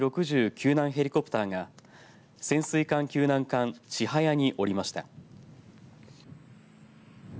救難ヘリコプターが潜水艦救難艦ちはやに降りました。